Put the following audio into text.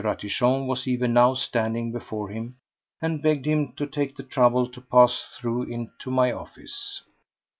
Ratichon was even now standing before him, and begged him to take the trouble to pass through into my office.